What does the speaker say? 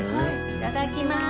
いただきます。